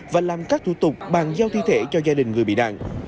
và làm các thủ tục bàn giao thi thể cho gia đình người bị nạn